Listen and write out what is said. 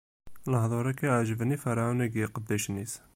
Lehduṛ-agi ɛeǧben i Ferɛun akked iqeddacen-is.